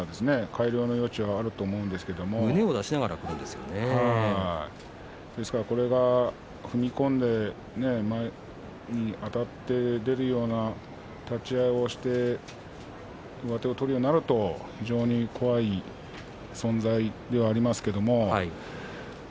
改良の余地はあると思うんですがこれが踏み込んで前にあたって出るような立ち合いをして上手を取るようになると非常に怖い存在ではありますけれども。